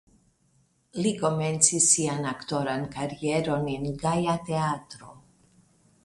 Li komencis sian aktoran karieron en Gaja Teatro.